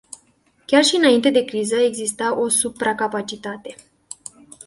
Chiar și înainte de criză exista o supracapacitate.